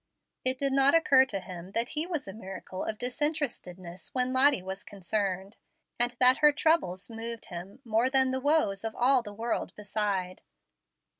It did not occur to him that he was a miracle of disinterestedness when Lottie was concerned; and that her troubles moved him more than the woes of all the world beside.